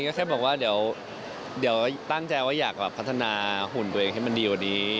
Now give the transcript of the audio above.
ก็แค่บอกว่าเดี๋ยวตั้งใจว่าอยากพัฒนาหุ่นตัวเองให้มันดีกว่านี้